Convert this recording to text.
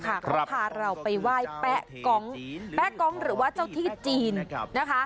เขาพาเราไปไหว้แป๊ะกองแป๊กองหรือว่าเจ้าที่จีนนะคะ